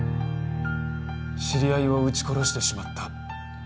知り合いを撃ち殺してしまった。